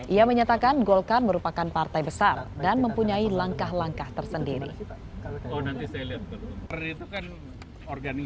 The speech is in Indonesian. ia menyatakan golkar merupakan partai besar dan mempunyai langkah langkah tersendiri